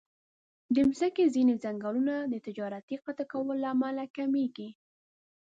د مځکې ځینې ځنګلونه د تجارتي قطع کولو له امله کمېږي.